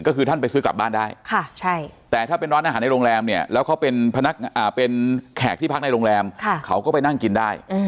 ก็คือท่านไปซื้อกลับบ้านได้แต่ถ้าเป็นร้านอาหารในโรงแรมเนี่ยแล้วเขาเป็นแขกที่พักในโรงแรมเขาก็ไปนั่งกินได้